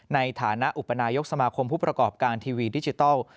ในฐานะอุปนายกสมาคมผู้ประกอบการทีวีดิจิทัล